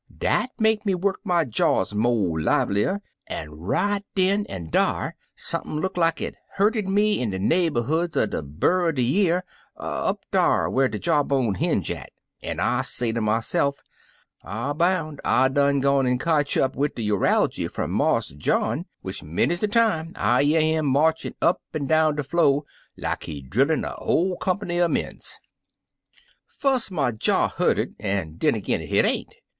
Dat make me wuk my jaws mo' livelier, an' right den an' dar sump'n look like it hurted me in de naberhoods er de burr er de year, up dar whar de jaw bone hinge at, an' I say ter myse'f, I boun' I done gone an' cotch up wid de uraljy firni Marse John, which many 's de time I year 'im marchin' up an' down de flo' like he drillin' er whole comp'ny er mens. Fus' my jaw hurted, an' den ag'in hit ain't.